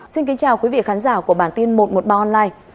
xin kính chào quý vị khán giả của bản tin một trăm một mươi ba online